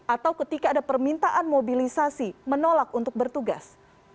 atau ketika ada permintaan mobilisasi menolak untuk bertugas